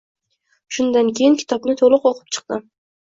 Shundan keyin kitobni toʻliq oʻqib chiqdim.